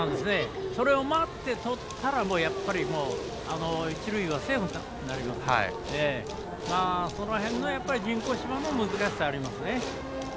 それを待ってとったら一塁はセーフになりますのでそのへんの人工芝の難しさありますよね。